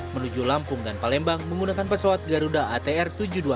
menuju lampung dan palembang menggunakan pesawat garuda atr tujuh puluh dua ribu enam ratus